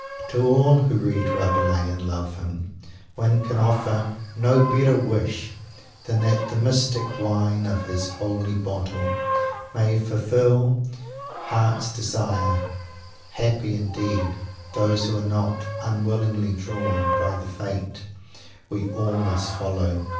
To all who read Rabelais and love him, one can offer no better wish than that the mystic wine of his Holy Bottle may fulfil their heart's desire. Happy, indeed, those who are not "unwillingly drawn" by the "Fate" we all must follow!